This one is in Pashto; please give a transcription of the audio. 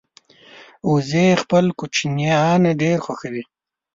وزې خپل کوچنیان ډېر خوښوي